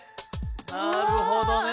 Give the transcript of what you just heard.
なるほどね！